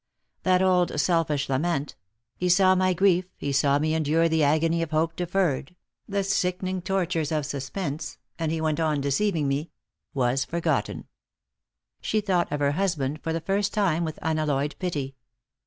That old selfish lament —" He saw my grief, he saw me endure the agony of hope deferred, the sickening tortures of suspense, and he went on deceiving me "— was for gotten. She thought of her husband for the first time with unalloyed pity.